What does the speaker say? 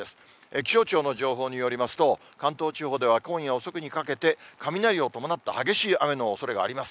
気象庁の情報によりますと、関東地方では今夜遅くにかけて、雷を伴った激しい雨のおそれがあります。